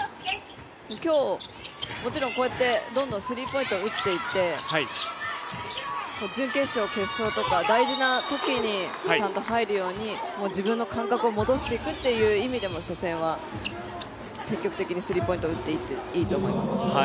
今日、もちろんこうやってどんどんスリーポイントを打っていって、準決勝、決勝とか大事なときにちゃんと入るように自分の感覚を戻していくという意味でも初戦は、積極的にスリーポイント打っていっていいと思います。